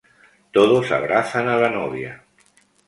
Todos abrazan a la novia.